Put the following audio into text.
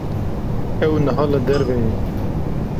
Ew niha li derve ye.